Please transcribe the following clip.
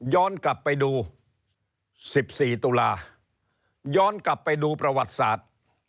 กลับไปดู๑๔ตุลาย้อนกลับไปดูประวัติศาสตร์